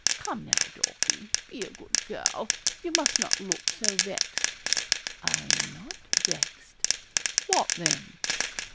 Come now, Dorkie, be a good girl you must not look so vexed.' 'I'm not vexed.' 'What then?'